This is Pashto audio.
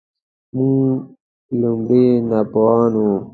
موږ لومړی ناپوهان وو .